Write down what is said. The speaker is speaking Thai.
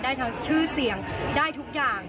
ได้ทั้งชื่อเสียงได้ทุกอย่าง